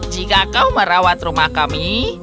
jika kau merawat rumah kami